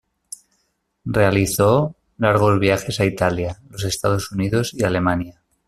Realizó largos viajes a Italia, los Estados Unidos y Alemania.